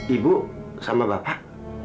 ibu sama bapak